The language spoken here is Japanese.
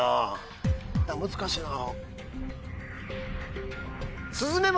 難しいな。